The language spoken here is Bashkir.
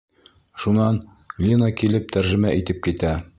Шунан Лина килеп тәржемә итеп китә.